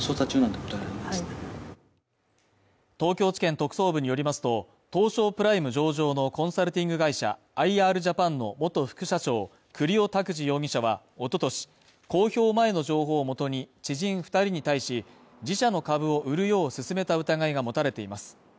東京地検特捜部によりますと、東証プライム上場のコンサルティング会社アイ・アールジャパンの元副社長、栗尾拓滋容疑者はおととし、公表前の情報をもとに、知人２人に対し、自社の株を売るようすすめた疑いが持たれています。